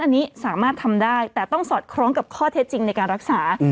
อันนี้สามารถทำได้แต่ต้องสอดคล้องกับข้อเท็จจริงในการรักษา